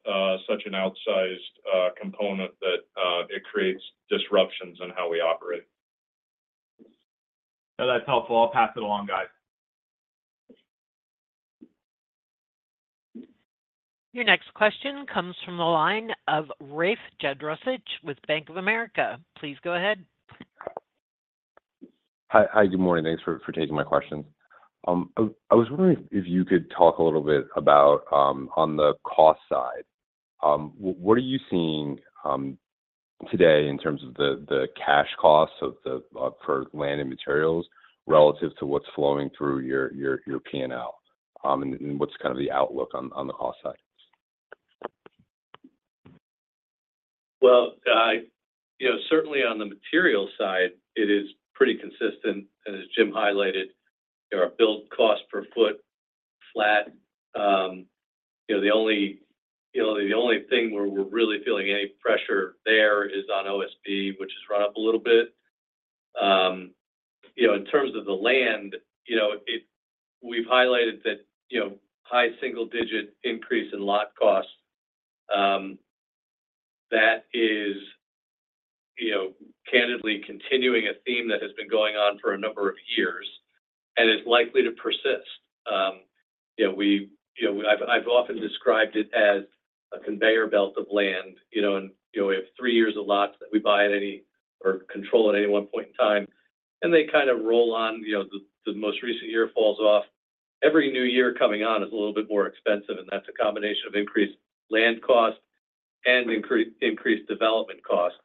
such an outsized component that it creates disruptions in how we operate. That's helpful. I'll pass it along, guys. Your next question comes from the line of Rafe Jadrosich with Bank of America. Please go ahead. Hi. Hi, good morning. Thanks for taking my questions. I was wondering if you could talk a little bit about on the cost side what are you seeing today in terms of the cash costs for land and materials relative to what's flowing through your P&L? And what's kind of the outlook on the cost side? Well, you know, certainly on the material side, it is pretty consistent. As Jim highlighted, our build cost per foot, flat. You know, the only, you know, the only thing where we're really feeling any pressure there is on OSB, which has run up a little bit. You know, in terms of the land, you know, we've highlighted that, you know, high single-digit increase in lot costs. That is, you know, candidly continuing a theme that has been going on for a number of years and is likely to persist. You know, we, you know, I've often described it as a conveyor belt of land, you know. You know, we have three years of lots that we buy at any or control at any one point in time, and they kind of roll on, you know, the most recent year falls off. Every new year coming on is a little bit more expensive, and that's a combination of increased land cost and increased development cost.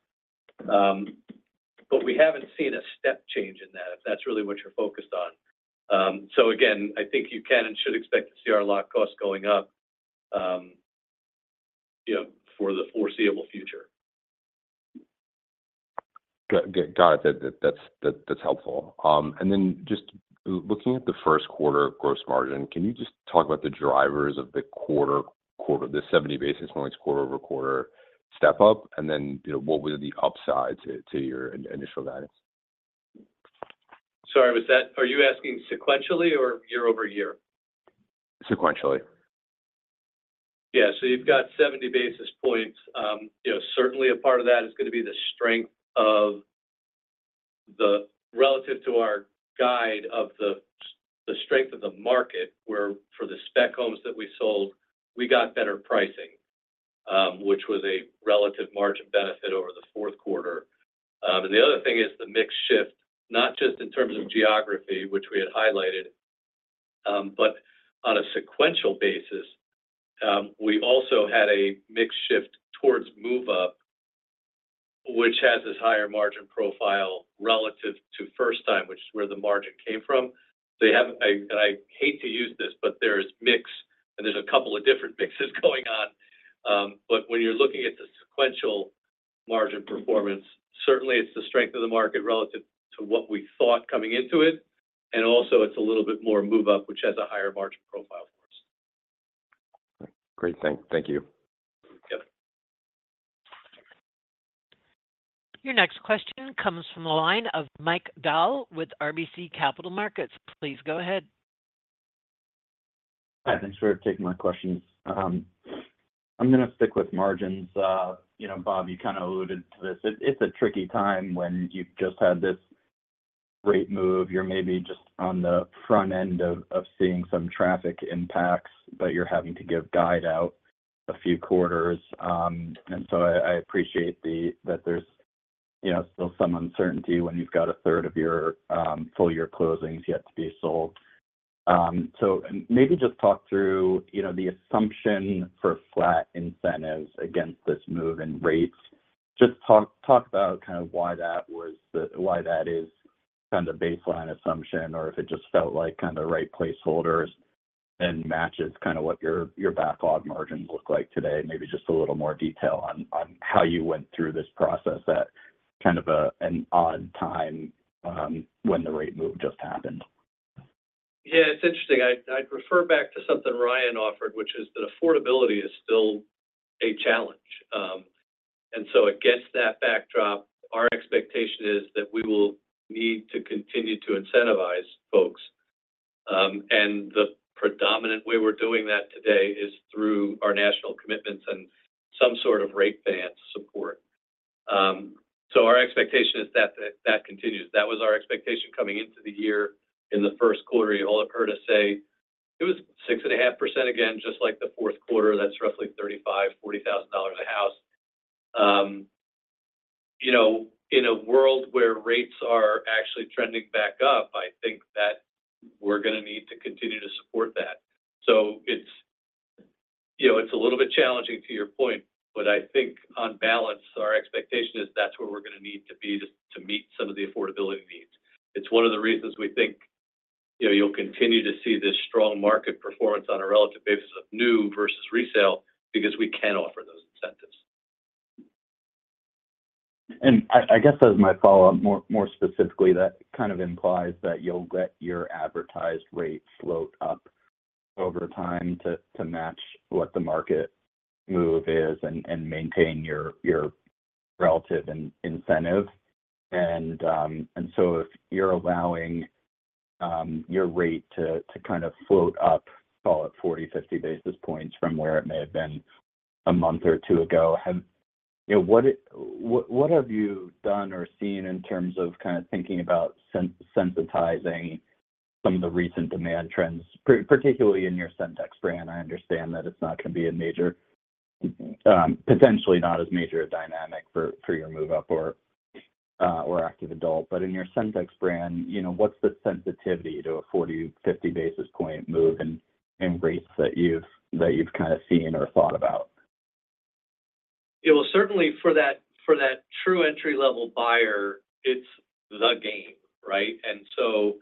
But we haven't seen a step change in that, if that's really what you're focused on. So again, I think you can and should expect to see our lot costs going up, you know, for the foreseeable future. Got it. That's helpful. And then just looking at the first quarter of gross margin, can you just talk about the drivers of the quarter-over-quarter 70 basis points step up? And then, you know, what were the upsides to your initial guidance? Sorry, are you asking sequentially or year-over-year? Sequentially. Yeah. So you've got 70 basis points. You know, certainly a part of that is going to be the strength of-... relative to our guide of the the strength of the market, where for the spec homes that we sold, we got better pricing, which was a relative margin benefit over the fourth quarter. And the other thing is the mix shift, not just in terms of geography, which we had highlighted, but on a sequential basis, we also had a mix shift towards move-up, which has this higher margin profile relative to first time, which is where the margin came from. I, and I hate to use this, but there's mix, and there's a couple of different mixes going on. But when you're looking at the sequential margin performance, certainly it's the strength of the market relative to what we thought coming into it, and also it's a little bit more move-up, which has a higher margin profile for us. Great, thank you. Yep. Your next question comes from the line of Mike Dahl with RBC Capital Markets. Please go ahead. Hi, thanks for taking my questions. I'm gonna stick with margins. You know, Bob, you kind of alluded to this. It's a tricky time when you've just had this rate move. You're maybe just on the front end of seeing some traffic impacts, but you're having to give guide out a few quarters. And so I appreciate that there's, you know, still some uncertainty when you've got a third of your full year closings yet to be sold. So and maybe just talk through, you know, the assumption for flat incentives against this move in rates. Just talk about kind of why that was the why that is kind of the baseline assumption, or if it just felt like kind of the right placeholders and matches kind of what your backlog margins look like today. Maybe just a little more detail on how you went through this process at kind of an odd time, when the rate move just happened. Yeah, it's interesting. I'd refer back to something Ryan offered, which is that affordability is still a challenge. And so against that backdrop, our expectation is that we will need to continue to incentivize folks. And the predominant way we're doing that today is through our national commitments and some sort of rate advance support. So our expectation is that that continues. That was our expectation coming into the year. In the first quarter, you all heard us say it was 6.5% again, just like the fourth quarter. That's roughly $35,000-$40,000 a house. You know, in a world where rates are actually trending back up, I think that we're gonna need to continue to support that. So it's, you know, it's a little bit challenging to your point, but I think on balance, our expectation is that's where we're gonna need to be to meet some of the affordability needs. It's one of the reasons we think, you know, you'll continue to see this strong market performance on a relative basis of new versus resale because we can offer those incentives. And I guess as my follow-up, more specifically, that kind of implies that you'll let your advertised rate float up over time to match what the market move is and maintain your relative incentive. And so if you're allowing your rate to kind of float up, call it 40, 50 basis points from where it may have been a month or two ago, you know, what have you done or seen in terms of kind of thinking about sensitizing some of the recent demand trends, particularly in your Centex brand? I understand that it's not going to be a major, potentially not as major a dynamic for your Move-Up or Active Adult, but in your Centex brand, you know, what's the sensitivity to a 40-50 basis point move in rates that you've kind of seen or thought about? Yeah, well, certainly for that, for that true entry-level buyer, it's the game, right? And so,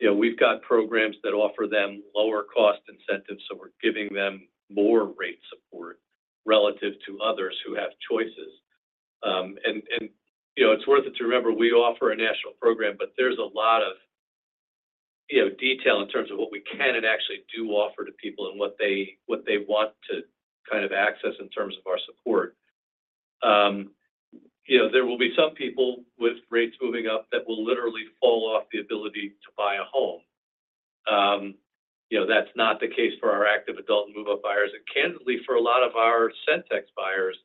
you know, we've got programs that offer them lower cost incentives, so we're giving them more rate support relative to others who have choices. And you know, it's worth it to remember, we offer a national program, but there's a lot of, you know, detail in terms of what we can and actually do offer to people and what they, what they want to kind of access in terms of our support. You know, there will be some people with rates moving up that will literally fall off the ability to buy a home. You know, that's not the case for our active adult and move-up buyers. And candidly, for a lot of our Centex buyers,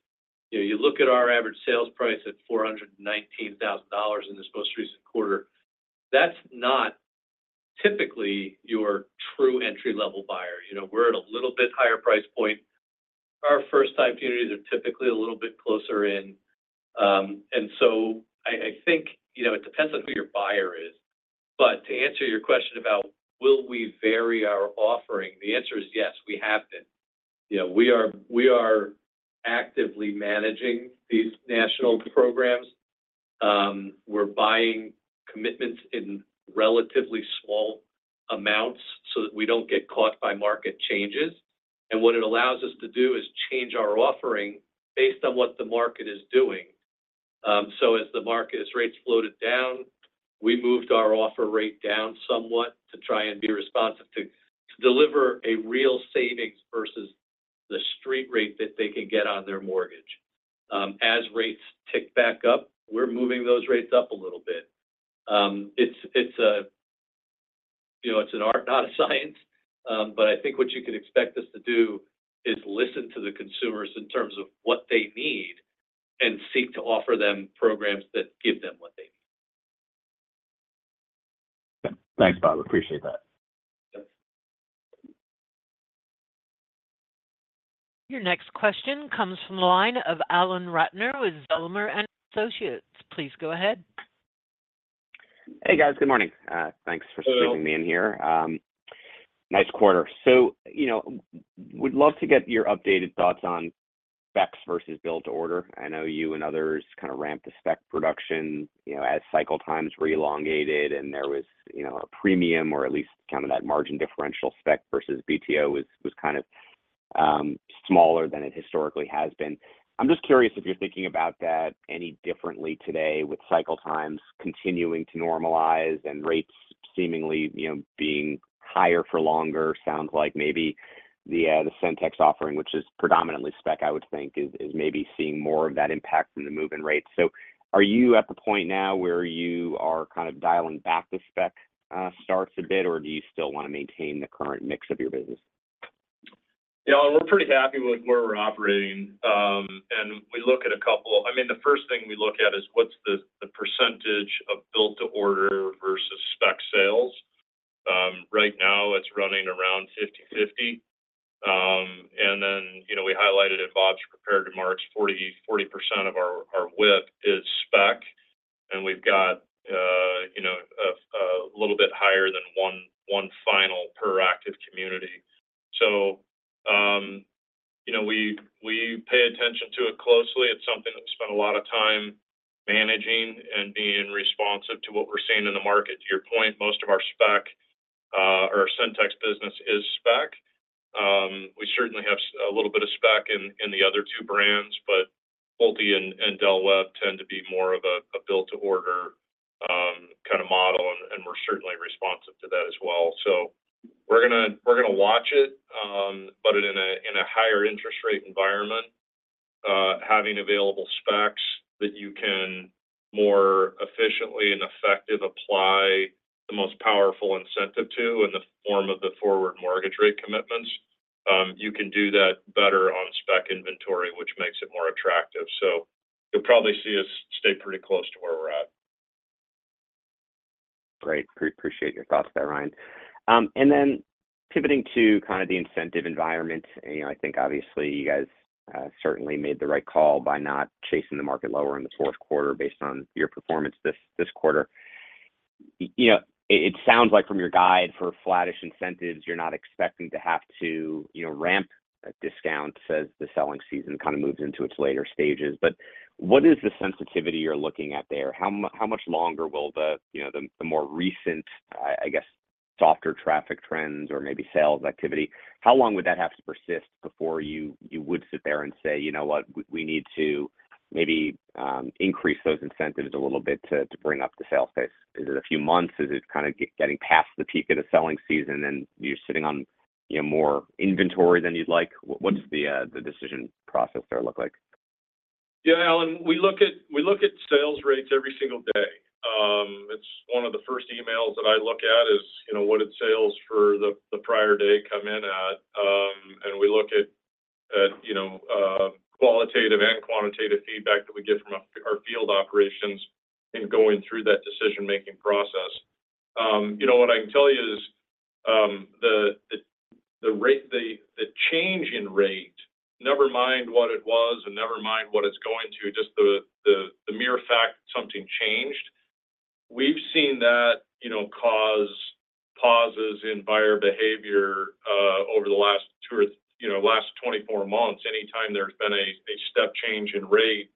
you know, you look at our average sales price at $419,000 in this most recent quarter, that's not typically your true entry-level buyer. You know, we're at a little bit higher price point. Our first-time communities are typically a little bit closer in. And so I think, you know, it depends on who your buyer is. But to answer your question about will we vary our offering? The answer is yes, we have been. You know, we are actively managing these national programs. We're buying commitments in relatively small amounts so that we don't get caught by market changes. And what it allows us to do is change our offering based on what the market is doing. So as the market, as rates floated down, we moved our offer rate down somewhat to try and be responsive to deliver a real savings versus the street rate that they can get on their mortgage. As rates tick back up, we're moving those rates up a little bit. It's a-... You know, it's an art, not a science. But I think what you can expect us to do is listen to the consumers in terms of what they need and seek to offer them programs that give them what they need. Thanks, Bob. Appreciate that. Yes. Your next question comes from the line of Alan Ratner with Zelman & Associates. Please go ahead. Hey, guys. Good morning. Thanks for sticking me in here. Hello. Nice quarter. So, you know, would love to get your updated thoughts on specs versus build to order. I know you and others kind of ramped the spec production, you know, as cycle times re-elongated and there was, you know, a premium or at least kind of that margin differential spec versus BTO was, was kind of smaller than it historically has been. I'm just curious if you're thinking about that any differently today, with cycle times continuing to normalize and rates seemingly, you know, being higher for longer. Sounds like maybe the Centex offering, which is predominantly spec, I would think, is maybe seeing more of that impact from the move in rates. So are you at the point now where you are kind of dialing back the spec starts a bit, or do you still want to maintain the current mix of your business? Yeah, we're pretty happy with where we're operating. And we look at a couple... I mean, the first thing we look at is what's the, the percentage of build to order versus spec sales? Right now it's running around 50/50. And then, you know, we highlighted at Bob's prepared remarks, 40% of our, our WIP is spec, and we've got, you know, a, a little bit higher than 1.1 final per active community. So, you know, we, we pay attention to it closely. It's something that we spend a lot of time managing and being responsive to what we're seeing in the market. To your point, most of our spec, or Centex business is spec. We certainly have a little bit of spec in the other two brands, but Pulte and Del Webb tend to be more of a build to order kind of model, and we're certainly responsive to that as well. So we're gonna watch it, but in a higher interest rate environment, having available specs that you can more efficiently and effective apply the most powerful incentive to in the form of the forward mortgage rate commitments, you can do that better on spec inventory, which makes it more attractive. So you'll probably see us stay pretty close to where we're at. Great. Appreciate your thoughts there, Ryan. And then pivoting to kind of the incentive environment, and, you know, I think obviously you guys certainly made the right call by not chasing the market lower in the fourth quarter based on your performance this, this quarter. You know, it sounds like from your guide for flattish incentives, you're not expecting to have to, you know, ramp a discount as the selling season kind of moves into its later stages. But what is the sensitivity you're looking at there? How much longer will the, you know, the more recent, I guess, softer traffic trends or maybe sales activity, how long would that have to persist before you would sit there and say, "You know what? We need to maybe increase those incentives a little bit to bring up the sales pace? Is it a few months? Is it kind of getting past the peak of the selling season, and you're sitting on, you know, more inventory than you'd like? What does the decision process there look like? Yeah, Alan, we look at, we look at sales rates every single day. It's one of the first emails that I look at is, you know, what did sales for the prior day come in at? And we look at, at, you know, qualitative and quantitative feedback that we get from our field operations in going through that decision-making process. You know, what I can tell you is, the change in rate, never mind what it was and never mind what it's going to, just the mere fact something changed, we've seen that, you know, cause pauses in buyer behavior over the last two or, you know, last 24 months. Anytime there's been a step change in rate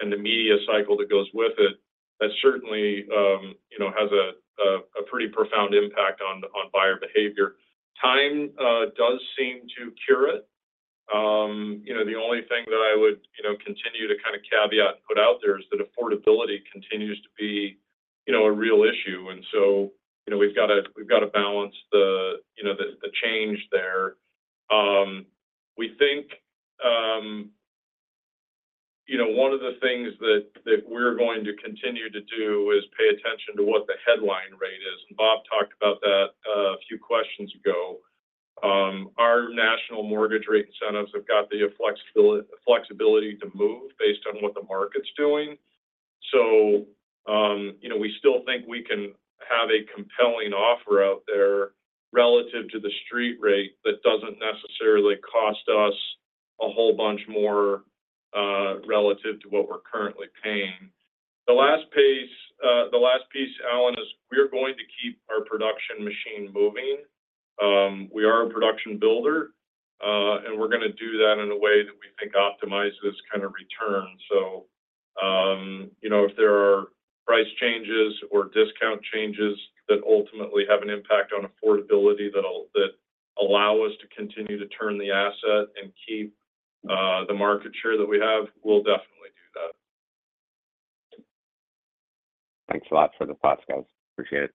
and the media cycle that goes with it, that certainly you know has a pretty profound impact on buyer behavior. Time does seem to cure it. You know, the only thing that I would continue to kind of caveat and put out there is that affordability continues to be a real issue. And so, we've got to balance the change there. We think one of the things that we're going to continue to do is pay attention to what the headline rate is. And Bob talked about that a few questions ago. Our national mortgage rate incentives have got the flexibility to move based on what the market's doing. So, you know, we still think we can have a compelling offer out there relative to the street rate that doesn't necessarily cost us a whole bunch more, relative to what we're currently paying. The last piece, Alan, is we are going to keep our production machine moving. We are a production builder, and we're gonna do that in a way that we think optimizes this kind of return. So, you know, if there are price changes or discount changes that ultimately have an impact on affordability that will, that allow us to continue to turn the asset and keep, the market share that we have, we'll definitely do that. Thanks a lot for the thoughts, guys. Appreciate it.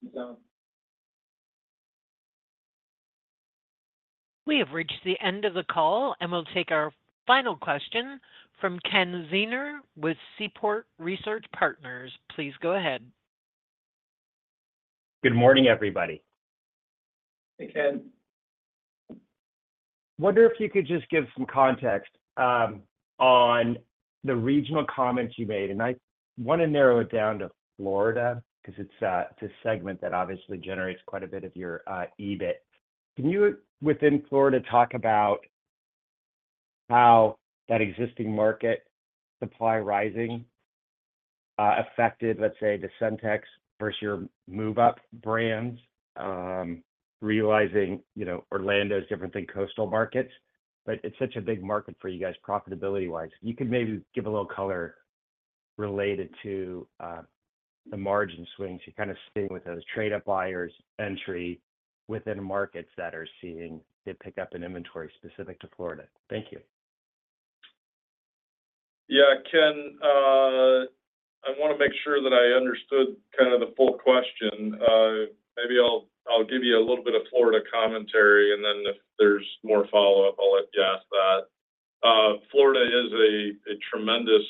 Thanks, Alan. We have reached the end of the call, and we'll take our final question from Kenneth Zener with Seaport Research Partners. Please go ahead. Good morning, everybody. Hey, Ken. Wonder if you could just give some context, on the regional comments you made, and I wanna narrow it down to Florida because it's, it's a segment that obviously generates quite a bit of your, EBIT. Can you, within Florida, talk about how that existing market supply rising, affected, let's say, the Centex versus your move-up brands? Realizing, you know, Orlando is different than coastal markets, but it's such a big market for you guys profitability-wise. You could maybe give a little color related to, the margin swings you kind of seeing with those trade-up buyers entry within markets that are seeing a pick-up in inventory specific to Florida. Thank you. Yeah, Ken, I wanna make sure that I understood kind of the full question. Maybe I'll give you a little bit of Florida commentary, and then if there's more follow-up, I'll let you ask that. Florida is a tremendous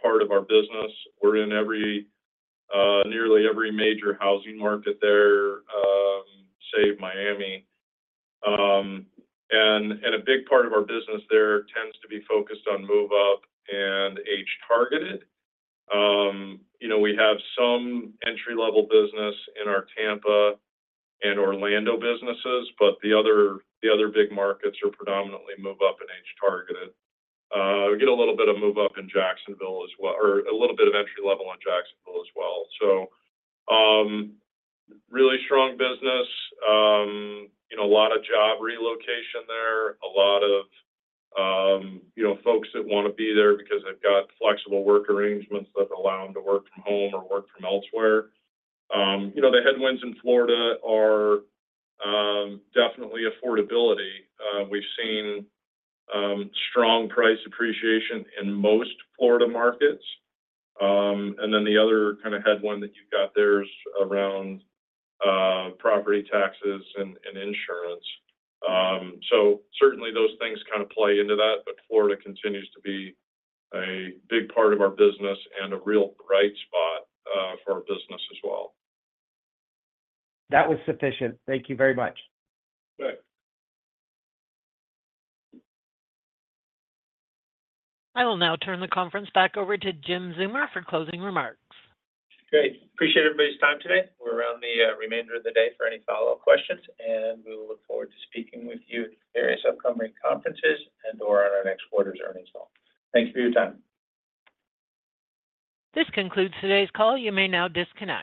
part of our business. We're in nearly every major housing market there, save Miami. And a big part of our business there tends to be focused on move-up and age-targeted. You know, we have some entry-level business in our Tampa and Orlando businesses, but the other big markets are predominantly move-up and age-targeted. We get a little bit of move-up in Jacksonville as well, or a little bit of entry-level in Jacksonville as well. So, really strong business. You know, a lot of job relocation there, a lot of, you know, folks that wanna be there because they've got flexible work arrangements that allow them to work from home or work from elsewhere. You know, the headwinds in Florida are definitely affordability. We've seen strong price appreciation in most Florida markets. And then the other kind of headwind that you've got there is around property taxes and insurance. So certainly those things kind of play into that, but Florida continues to be a big part of our business and a real bright spot for our business as well. That was sufficient. Thank you very much. Okay. I will now turn the conference back over to Jim Zeumer for closing remarks. Great. Appreciate everybody's time today. We're around the remainder of the day for any follow-up questions, and we will look forward to speaking with you at various upcoming conferences and/or on our next quarter's earnings call. Thank you for your time. This concludes today's call. You may now disconnect.